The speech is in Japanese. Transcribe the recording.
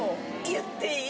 言っていい？